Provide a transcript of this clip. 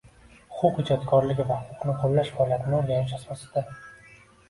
Huquq ijodkorligi va huquqni qo‘llash faoliyatini o‘rganish asosida